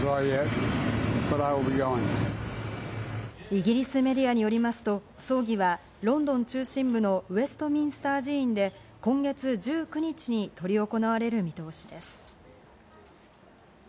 イギリスメディアによりますと葬儀はロンドン中心部のウェストミンスター寺院で今月１９日に執り行われる見通しです。